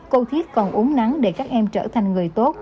cô thiết còn uống nắng để các em trở thành người tốt